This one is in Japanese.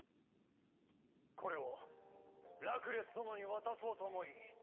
これをラクレス殿に渡そうと思い。